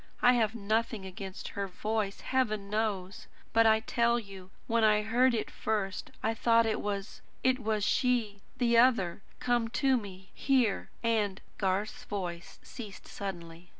I have nothing against her voice, Heaven knows! But I tell you, when I heard it first I thought it was it was she the other come to me here and " Garth's voice ceased suddenly.